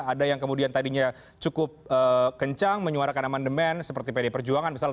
ada yang kemudian tadinya cukup kencang menyuarakan amandemen seperti pd perjuangan misalnya